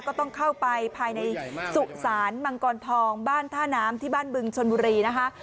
ก็ต้องเข้าไปภายในสุสานมังกรทองบ้านท่าน้ำที่บ้านบึงชนบุรีนะคะ